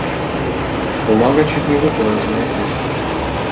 Бумага чуть не выпала из моих рук.